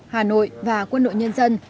hà nội và quân đội nhân dân